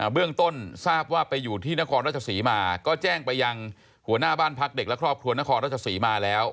เบื้องต้นทราบว่าไปอยู่ที่นครราชศรีมาก็แจ้งไปยังหัวหน้าบ้านพักเด็กและครอบครัวนครราชศรีมาแล้ว